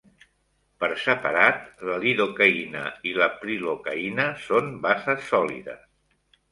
Per separat, la lidocaïna i la prilocaïna són bases sòlides.